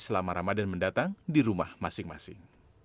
selama ramadan mendatang di rumah masing masing